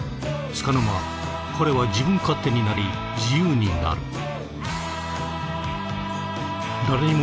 つかの間彼は自分勝手になり自由になる。